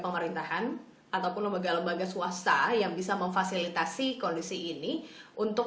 pemerintahan ataupun lembaga lembaga swasta yang bisa memfasilitasi kondisi ini untuk